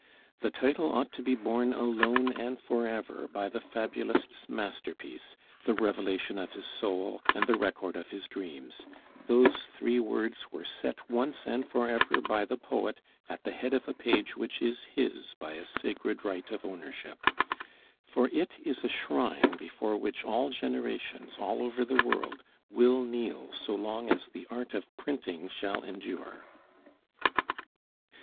The title ought to be borne alone and for ever by the fabulist's masterpiece, the revelation of his soul, and the record of his dreams; those three words were set once and for ever by the poet at the head of a page which is his by a sacred right of ownership; for it is a shrine before which all generations, all over the world, will kneel so long as the art of printing shall endure.